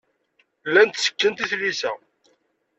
Llant ttekkent i tlisa.